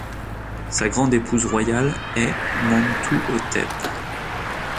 Sa grande épouse royale est Mentouhotep.